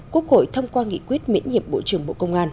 quốc hội thông qua nghị quyết miễn nhiệm bộ trưởng bộ công an